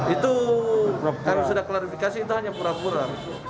itu kalau sudah klarifikasi itu hanya pura pura